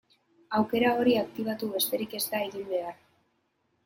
Aukera hori aktibatu besterik ez da egin behar.